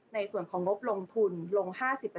ในส่วนของงบลงทุนลง๕๐